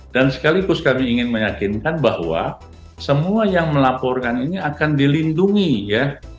sekaligus kami ingin meyakinkan bahwa semua yang melaporkan ini akan dilindungi ya